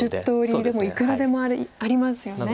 もう１０通りでもいくらでもありますよね。